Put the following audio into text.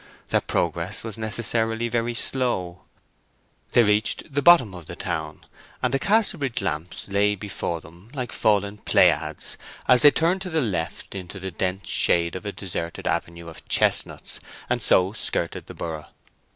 Their progress was necessarily very slow. They reached the bottom of the town, and the Casterbridge lamps lay before them like fallen Pleiads as they turned to the left into the dense shade of a deserted avenue of chestnuts, and so skirted the borough.